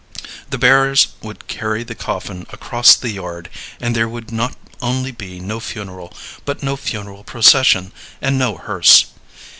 The bearers would carry the coffin across the yard, and there would not only be no funeral, but no funeral procession, and no hearse.